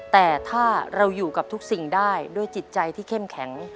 แต่ถ้าเราอยู่กับทุกสิ่งได้ด้วยจิตใจที่เข้มแข็ง